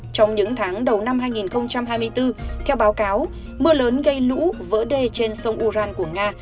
trong những tháng đầu năm hai nghìn hai mươi bốn theo báo cáo mưa lớn gây lũ vỡ đê trên sông uran của nga